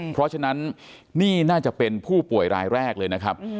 เพราะฉะนั้นนี่น่าจะเป็นผู้ป่วยรายแรกเลยนะครับ